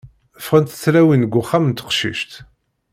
Ffɣent tlawin g uxxam n teqcict.